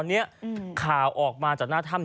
จนถึงตอนนี้ข่าวออกมาจากหน้าถ้ำ